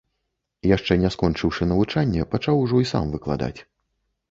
Яшчэ не скончыўшы навучанне, пачаў ужо і сам выкладаць.